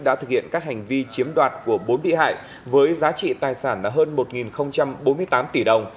đã thực hiện các hành vi chiếm đoạt của bốn bị hại với giá trị tài sản là hơn một bốn mươi tám tỷ đồng